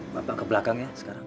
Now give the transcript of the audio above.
bapak ke belakang ya sekarang